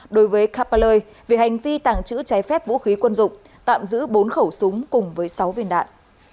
đối với kapaloi về hành vi tàng trữ trái phép vũ khí quân dụng tạm giữ bốn khẩu súng cùng với sáu viên đạn